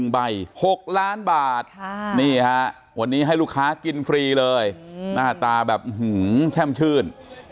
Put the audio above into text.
๑ใบ๖ล้านบาทนี่ฮะวันนี้ให้ลูกค้ากินฟรีเลยหน้าตาแบบแช่มชื่น